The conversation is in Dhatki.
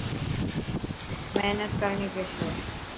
مهنت ڪرڻي پيي.